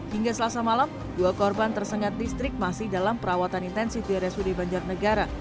hingga selasa malam dua korban tersengat listrik masih dalam perawatan intensif di rsud banjarnegara